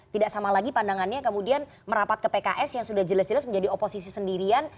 tidak sama lagi pandangannya kemudian merapat ke pks yang sudah jelas jelas menjadi oposisi sendirian